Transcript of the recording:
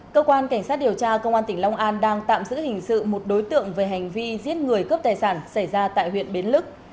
cơ quan cảnh sát điều tra công an tỉnh long an đang tạm giữ hình sự một đối tượng về hành vi giết người cướp tài sản xảy ra tại huyện bến lức